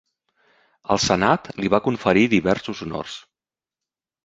El senat li va conferir diversos honors.